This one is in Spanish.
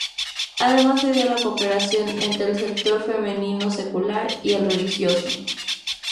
Además se dio la cooperación entre el sector femenino secular y el religioso.